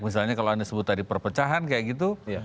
misalnya kalau anda sebut tadi perpecahan kayak gitu